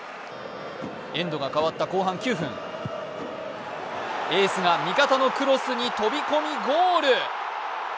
エンドが変わった後半９分、エースが味方のクロスに飛び込みゴール。